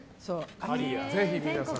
ぜひ皆さん